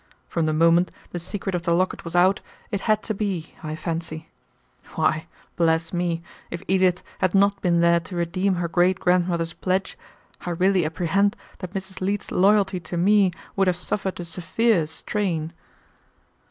From the moment the secret of the locket was out, it had to be, I fancy. Why, bless me, if Edith had not been there to redeem her great grandmother's pledge, I really apprehend that Mrs. Leete's loyalty to me would have suffered a severe strain."